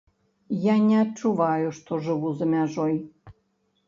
Я не адчуваю, што жыву за мяжой.